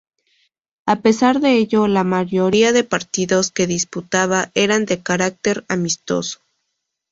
A pesar de ello la mayoría de partidos que disputaba eran de carácter amistoso.